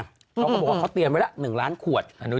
เขาพูดว่าเขาเตรียมไว้แหละ๑ล้านขวด